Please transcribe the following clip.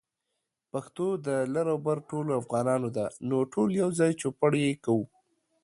پښتو د لر او بر ټولو افغانانو ده، نو ټول يوځای چوپړ يې کوو